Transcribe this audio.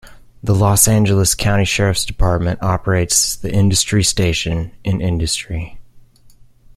The Los Angeles County Sheriff's Department operates the Industry Station in Industry.